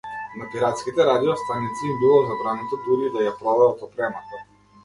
На пиратските радио-станици им било забрането дури и да ја продадат опремата.